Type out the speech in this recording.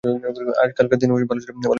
আজকালকার দিনে ভালো ছেলে খুঁজে পাওয়াই যায়না।